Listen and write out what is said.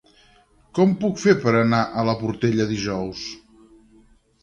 Com ho puc fer per anar a la Portella dijous?